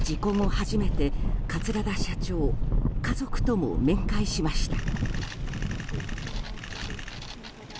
初めて桂田社長、家族とも面会しました。